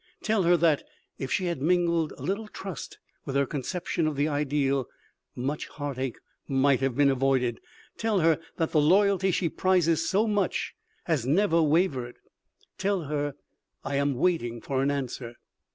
Tell her that, if she had mingled a little trust with her conception of the ideal, much heartache might have been avoided. Tell her that the loyalty she prizes so much has never wavered. Tell her I am waiting for an answer."